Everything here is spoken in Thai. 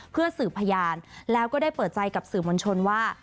เพื่อสืบพยานแล้วก็ได้เปิดใจกับสื่อมวลชนว่า